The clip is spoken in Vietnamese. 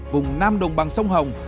vùng nam đồng bằng sông hồng